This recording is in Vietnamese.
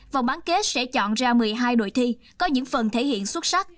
vòng bán kết sẽ chọn ra một mươi hai đội thi có những phần thể hiện xuất sắc